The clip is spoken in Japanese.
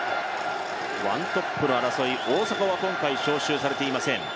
ワントップの争い、大迫は今回、招集されていません。